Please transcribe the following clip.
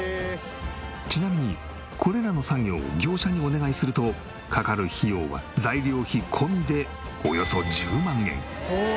ちなみにこれらの作業を業者にお願いするとかかる費用は材料費込みでおよそ１０万円。